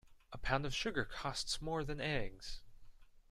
A pound of sugar costs more than eggs.